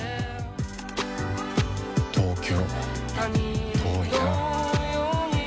東京、遠いな。